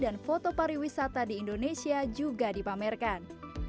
dan foto pariwisata di indonesia juga dipamerkan